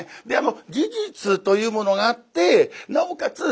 事実というものがあってなおかつ